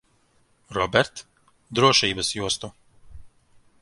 Robert, drošības jostu.